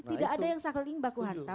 tidak ada yang sakeling baku hantam